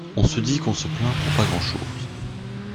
On se dit qu'on se plaint pour pas grand chose.